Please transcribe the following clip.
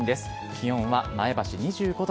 気温、前橋２５度。